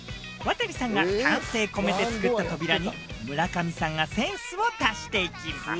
亘さんが丹精込めて作った扉に村上さんがセンスを足していきます。